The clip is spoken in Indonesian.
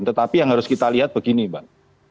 tetapi yang harus kita lihat begini mbak